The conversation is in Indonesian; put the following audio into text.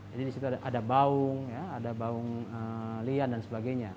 jadi disitu ada baung ada baung lian dan sebagainya